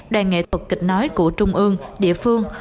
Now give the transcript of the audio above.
đoàn nghệ thuật kịch nói của trung ương địa phương